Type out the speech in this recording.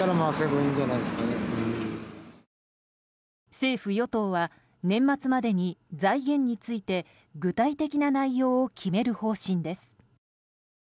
政府・与党は年末までに財源について具体的な内容を決める方針です。